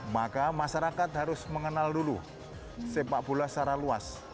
maka masyarakat harus mengenal dulu sepak bola secara luas